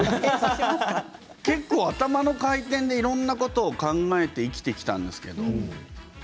結構、頭の回転でいろいろなことを考えて生きてきたんですけれど。